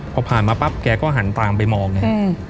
ครับพอผ่านมาปั๊บแกก็หันตามไปมองอืม